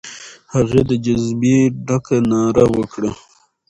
هغه د جذبې ډکه ناره وکړه.